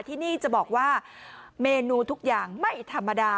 ที่นี่จะบอกว่าเมนูทุกอย่างไม่ธรรมดา